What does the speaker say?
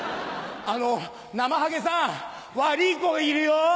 あのなまはげさん悪い子いるよ！